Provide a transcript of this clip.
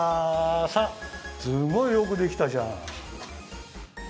さっすごいよくできたじゃん！